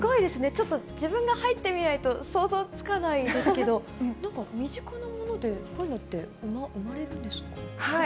ちょっと自分が入ってみないと想像つかないですけど、なんか、身近なものでこういうのって生まれるんですか？